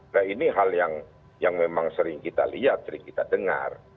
nah ini hal yang memang sering kita lihat sering kita dengar